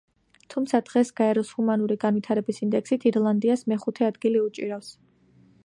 თუმცა დღეს გაეროს ჰუმანური განვითარების ინდექსით ირლანდიას მეხუთე ადგილი უჭირავს.